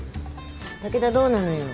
武田どうなのよ？